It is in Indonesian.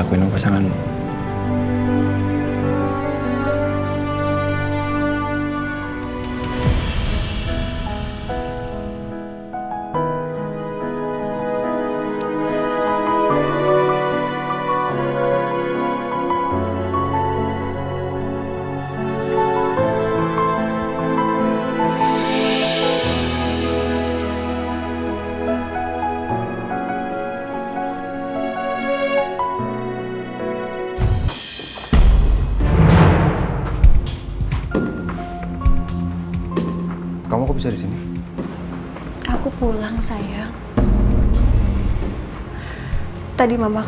apa al menyembunyikan sesuatu ya dari saya